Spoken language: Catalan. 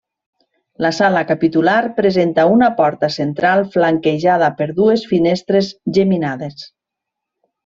La sala capitular presenta una porta central flanquejada per dues finestres geminades.